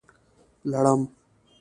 🦂 لړم